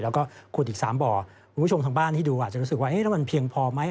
แล้วก็ขุดอีก๓บ่อคุณผู้ชมทางบ้านที่ดูอาจจะรู้สึกว่าแล้วมันเพียงพอไหม